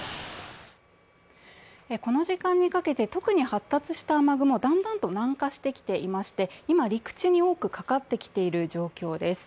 この時間にかけて、特に発達した雨雲だんだんと南下してきていまして、今、陸地に多くかかってきている状況です。